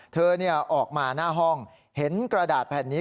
เธอออกมาหน้าห้องเห็นกระดาษแผ่นนี้